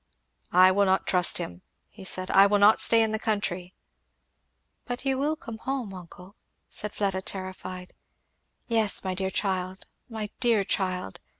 "I will not trust him," he said, "I will not stay in the country!" "But you will come home, uncle?" said Fleda, terrified. "Yes my dear child yes my dear child!"